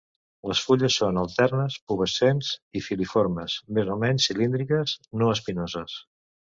Les fulles són alternes, pubescents i filiformes, més o menys cilíndriques, no espinoses.